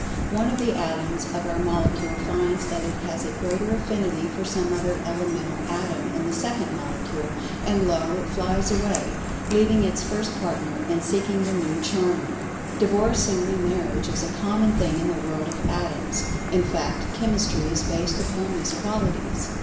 one of the Atoms of our Molecule finds that it has a greater Affinity for some other elemental Atom in the second Molecule, and lo! it flies away, leaving its first partner, and seeking the new charmer. Divorce and re marriage is a common thing in the world of Atoms—in fact, Chemistry is based upon these qualities.